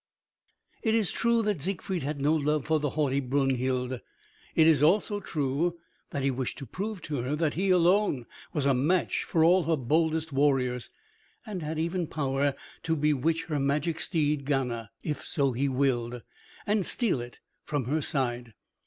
It is true that Siegfried had no love for the haughty Brunhild. It is also true that he wished to prove to her that he alone was a match for all her boldest warriors, and had even power to bewitch her magic steed, Gana, if so he willed, and steal it from her side.